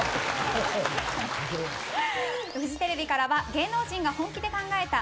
フジテレビからは芸能人が本気で考えた！